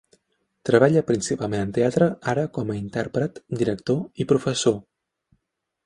Treballa principalment en teatre ara com a intèrpret, director i professor.